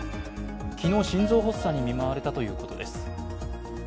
昨日、心臓発作に見舞われたということです。